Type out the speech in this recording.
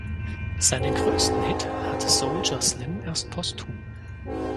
Seinen größten Hit hatte Soulja Slim erst posthum.